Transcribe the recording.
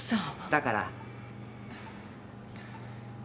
だから。